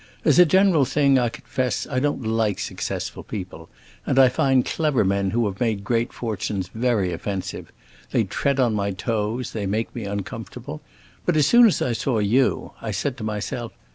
As a general thing, I confess, I don't like successful people, and I find clever men who have made great fortunes very offensive. They tread on my toes; they make me uncomfortable. But as soon as I saw you, I said to myself.